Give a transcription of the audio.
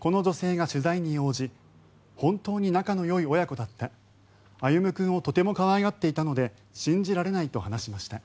この女性が取材に応じ本当に仲のよい親子だった歩夢君をとても可愛がっていたので信じられないと話しました。